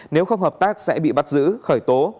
nếu không hợp tác sẽ bị bắt giữ khởi tố